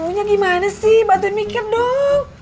nyak gimana sih bantuin mikir dong